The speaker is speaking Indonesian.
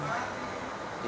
jadi airbagnya tidak keluar